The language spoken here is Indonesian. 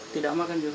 tidak makan juga